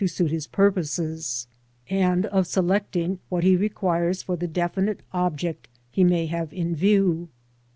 suit his purposes, and of selecting what he requires for the definite object he may have in view.